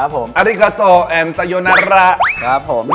ครับผมครับผมครับผมครับผม